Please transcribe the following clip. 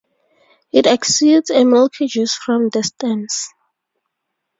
It exudes a milky juice from the stems.